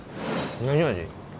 何味？